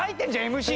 ＭＣ！